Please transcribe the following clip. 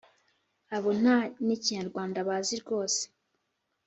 abo nta n’ikinyarwanda bazi rwose!